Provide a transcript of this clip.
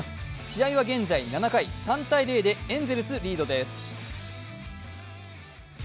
試合は現在７回、３−０でエンゼルス、リードです。